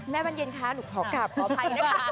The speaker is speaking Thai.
แม่วันเย็นคะหนูขอกลับขอบภัยนะค่ะ